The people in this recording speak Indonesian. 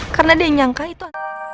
karena dia yang nyangka itu